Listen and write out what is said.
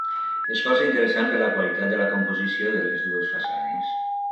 És força interessant per la qualitat de la composició de les dues façanes.